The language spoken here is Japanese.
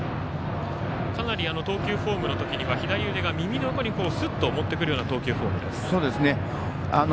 かなり投球フォームの時には左腕を耳の横にすっと持ってくるような投球フォームです。